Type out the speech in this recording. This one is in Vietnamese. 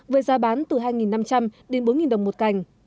với giá bán từ hai năm trăm linh đến bốn đồng một cành